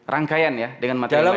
rangkaian ya dengan materi lainnya